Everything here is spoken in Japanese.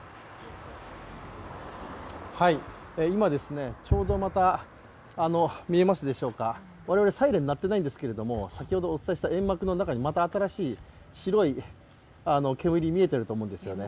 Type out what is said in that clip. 今、ちょうどまた、見えますでしょうかサイレン鳴ってないんですけど先ほどお伝えした煙幕の中にまた新しい白い煙が見えていると思うんですね